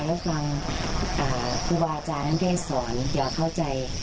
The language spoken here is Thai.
แล้วฟังครูอาจารย์ท่านเพศสอนเดี๋ยวเข้าใจ